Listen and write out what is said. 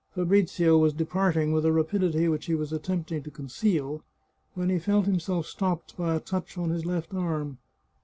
Fabrizio was departing with a rapidity which he was attempting to conceal when he felt himself stopped by a touch on his left arm.